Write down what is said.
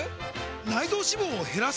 内臓脂肪を減らす！？